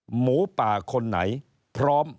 หมูป่าคนไหนพร้อม